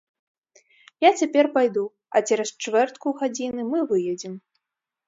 Я цяпер пайду, а цераз чвэртку гадзіны мы выедзем.